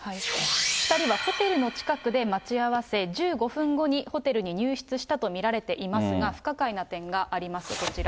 ２人はホテルの近くで待ち合わせ、１５分後にホテルに入室したと見られているが、不可解な点があります、こちら。